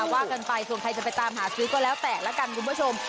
ว่ากันไปส่วนใครจะไปตามหาซื้อก็แล้วแต่ละกันคุณผู้ชม